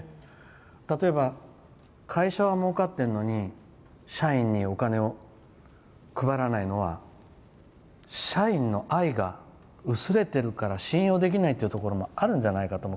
例えば会社はもうかっているのに社員にお金を配らないのは社員の愛が薄れてるから信用できないというところもあるんじゃないかとも。